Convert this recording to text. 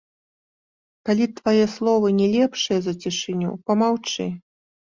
Калі твае словы не лепшыя за цішыню, памаўчы.